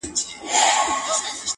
چي ستا ديدن وي پكي كور به جوړ سـي!!